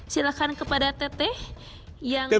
silakan kepada teteh yang di depan